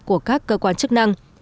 của các cơ quan chức năng